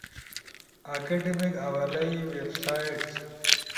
اکیڈیمک حوالئی، ویب سائٹس